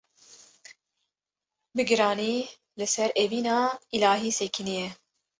bi giranî li ser evîna îlahî sekinîye.